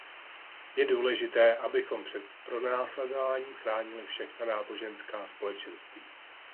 Je důležité, abychom před pronásledováním chránili všechna náboženská společenství.